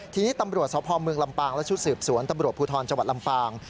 ทีนี้ตำรวจสพเมืองลำปางและชุดสืบสวนตำรวจภูทรจังหวัดลำปาง